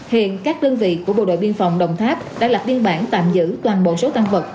hiện các đơn vị của bộ đội biên phòng đồng tháp đã lập biên bản tạm giữ toàn bộ số tăng vật